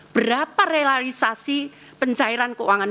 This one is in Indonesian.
berapa realisasi pencairan keuangan